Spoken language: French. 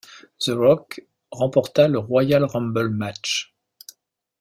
The Rock remporta le Royal Rumble Match.